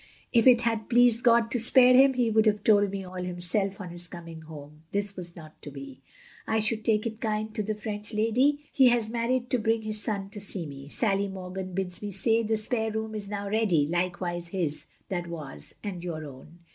If it had pleased God to spare him, he would have told me all Him self on his coming Home, this was not to be. I should take it kind of the french Lady he has married to bring his son to see me. Sally Morgan bids me say Ike Spare Room is now ready, likewise his that was, and your own.